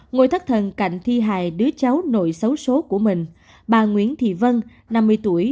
ngôi thất thần cạnh thi hài đứa cháu nội xấu xố của mình bà nguyễn thị vân năm mươi tuổi